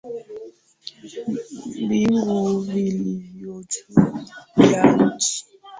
Mbingu zilivyo juu ya nchi.